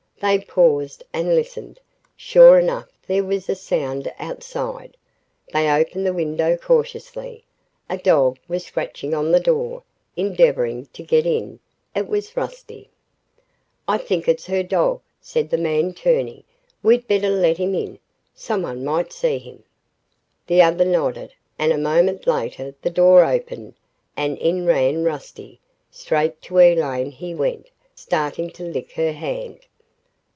They paused and listened. Sure enough, there was a sound outside. They opened the window cautiously. A dog was scratching on the door, endeavoring to get in. It was Rusty. "I think it's her dog," said the man, turning. "We'd better let him in. Someone might see him." The other nodded and a moment later the door opened and in ran Rusty. Straight to Elaine he went, starting to lick her hand.